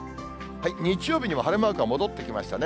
日曜日にも晴れマークが戻ってきましたね。